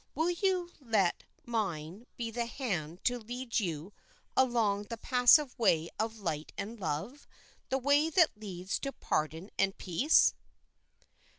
Will you let mine be the hand to lead you along the passive way of light and love, the way that leads to pardon and peace?"